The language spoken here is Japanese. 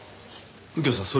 右京さん